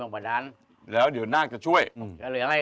อเจมส์มันนางมณุรากันแล้วนะก็ไม่สามารถที่จะเอาบวงนี้ครองได้